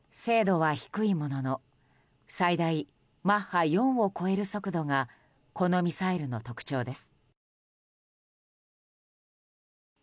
精度は低いものの最大マッハ４を超える速度がこのミサイルの特徴です。